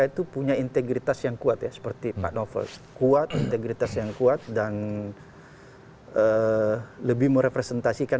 itu punya integritas yang kuat ya seperti pak novel kuat integritas yang kuat dan lebih merepresentasikan